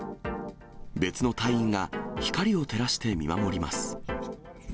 別の隊員が、光を照らして見守ります。